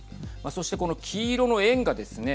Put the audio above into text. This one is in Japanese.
そして、この黄色の円がですね